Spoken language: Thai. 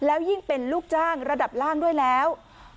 แล้วยิ่งเป็นลูกจ้างระดับล่างด้วยแล้ว